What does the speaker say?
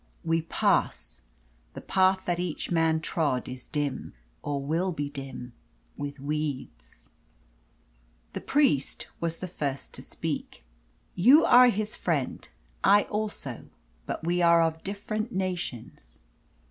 We pass; the path that each man trod Is dim, or will be dim, with weeds. The priest was the first to speak. "You are his friend, I also; but we are of different nations."